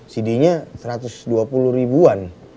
cd nya satu ratus dua puluh ribuan